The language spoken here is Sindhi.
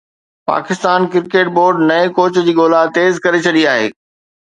پاڪستان ڪرڪيٽ بورڊ نئين ڪوچ جي ڳولا تيز ڪري ڇڏي آهي